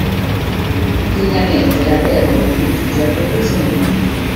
L'insegnamento è aperto a tutti, giapponesi e non.